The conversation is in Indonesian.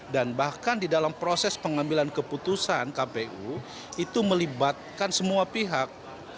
dan bahkan di dalam proses pengambilan keputusan kpu itu melibatkan semua pihak